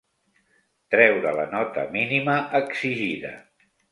Treure la nota mínima exigida.